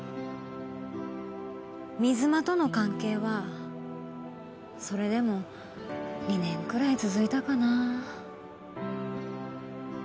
水間との関係はそれでも２年くらい続いたかなぁ。